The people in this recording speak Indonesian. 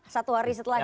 satu hari setelah itu